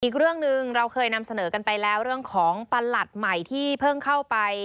อีกเรื่องหนึ่งเราเคยนำเสนอกันไปแล้วเรื่องของประหลัดใหม่ที่เพิ่งเข้าไป